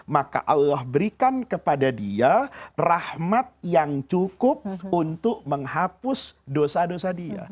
maka allah berikan kepada dia rahmat yang cukup untuk menghapus dosa dosa dia